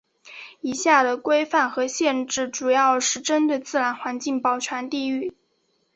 以下的规范和限制主要是针对自然环境保全地域。